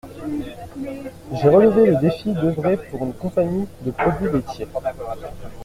J’ai relevé le défi d’œuvrer pour une compagnie de produits laitiers.